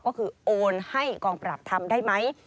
ก็คือโอนให้กองปราบทำได้ไหม